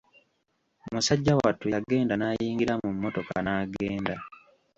Musajja wattu yagenda n'ayingira mu mmotoka n'agenda.